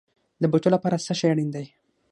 د بوټو لپاره څه شی اړین دی؟